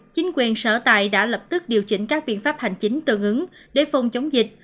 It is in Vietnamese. chính quyền sở tại đã lập tức điều chỉnh các biện pháp hành chính tương ứng để phòng chống dịch